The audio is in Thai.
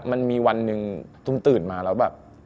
มันมีวันหนึ่งตุ้มตื่นมาแล้วแบบ